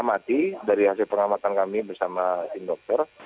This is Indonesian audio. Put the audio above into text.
amati dari hasil pengamatan kami bersama tim dokter